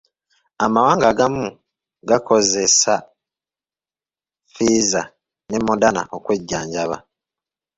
Amawanga agamu gakozesa Pfizer ne Modana okwejjanjaba.